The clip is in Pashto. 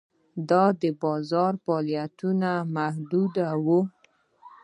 دا د بازار فعالیتونه یې محدوداوه.